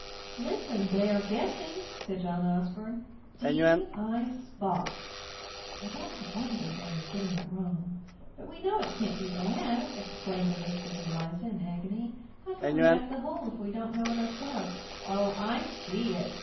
"Listen, they are guessing," said John Osborne. "'D ice box.' I don't wonder they get it wrong." "But we know it can't be that!" exclaimed Elizabeth Eliza, in agony. "How can we act the whole if we don't know it ourselves?" "Oh, I see it!"